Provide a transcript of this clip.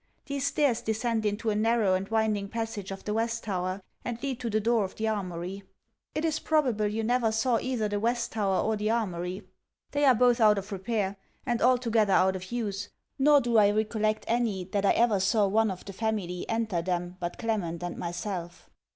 These stairs descend into a narrow and winding passage of the West Tower, and lead to the door of the Armoury. It is probable you never saw either the West Tower or the Armoury. They are both out of repair, and altogether out of use; nor do I recollect any that I ever saw one of the family enter them but Clement and myself.